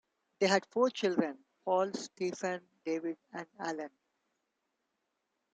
They had four children: Paul, Stephen, David, and Alan.